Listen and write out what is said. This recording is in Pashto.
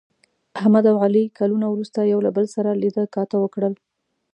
احمد او علي کلونه وروسته یو له بل سره لیده کاته وکړل.